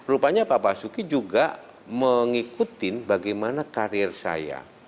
rupanya pak basuki juga mengikuti bagaimana karir saya